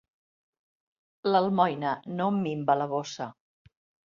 L'almoina no minva la bossa.